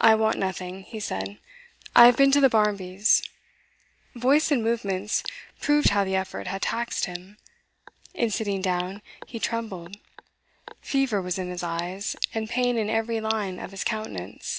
'I want nothing,' he said. 'I've been to the Barmbys'.' Voice and movements proved how the effort had taxed him. In sitting down, he trembled; fever was in his eyes, and pain in every line of his countenance.